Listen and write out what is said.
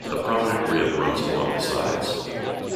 A prominent rib runs along the sides.